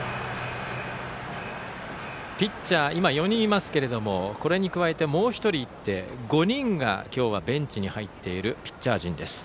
ピッチャーは今４人いますけどこれに加えて、もう１人いて５人が今日はベンチに入っているピッチャー陣です。